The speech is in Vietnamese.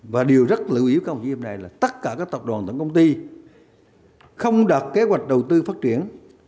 và điều rất lưu ý của công ty hôm nay là tất cả các tập đoàn tổng công ty không đạt kế hoạch đầu tư phát triển